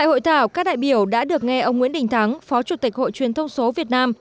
ông nguyễn đình thắng phó chủ tịch hội truyền thông số việt nam